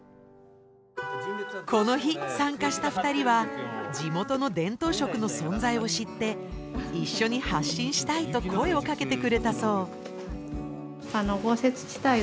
この日参加した２人は地元の伝統食の存在を知って一緒に発信したいと声をかけてくれたそう。